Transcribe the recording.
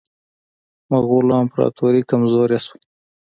مغولو امپراطوري کمزورې شوه.